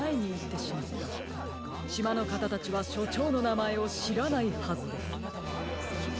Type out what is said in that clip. しまのかたたちはしょちょうのなまえをしらないはずです。